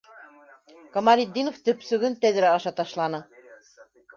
Камалетдинов төпсөгөн тәҙрә аша ташланы.